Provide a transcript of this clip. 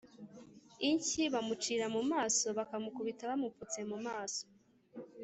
inshyi bamucira mu maso bakamukubita bamupfutse mu maso